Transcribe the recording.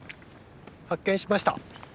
発見しました！